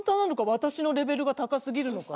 私のレベル高すぎるのか。